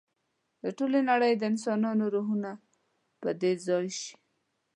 د ټولې نړۍ د انسانانو روحونه دې په کې ځای شي.